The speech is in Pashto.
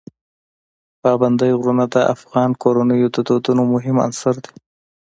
پابندی غرونه د افغان کورنیو د دودونو مهم عنصر دی.